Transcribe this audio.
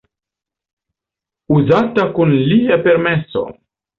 Uzata kun lia permeso.